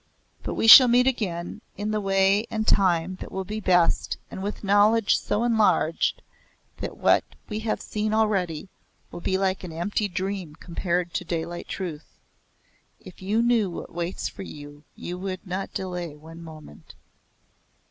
But we shall meet again in the way and time that will be best and with knowledge so enlarged that what we have seen already will be like an empty dream compared to daylight truth. If you knew what waits for you you would not delay one moment."